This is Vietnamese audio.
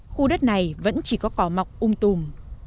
khu đất này vẫn chỉ có cỏ mọc ung tùm